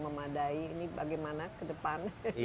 memadai ini bagaimana ke depan